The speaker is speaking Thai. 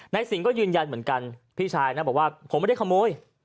สิงห์ก็ยืนยันเหมือนกันพี่ชายนะบอกว่าผมไม่ได้ขโมย